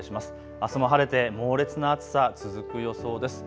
あすも晴れて猛烈な暑さ、続く予想です。